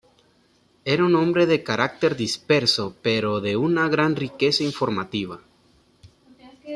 Era un hombre de carácter disperso pero de una gran riqueza informativa.